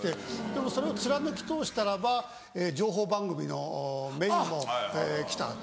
でもそれを貫き通したらば情報番組のメインも来たんです。